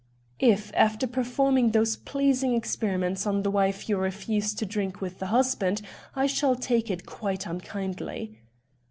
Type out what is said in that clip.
"If, after performing those pleasing experiments on the wife, you refuse to drink with the husband, I shall take it quite unkindly."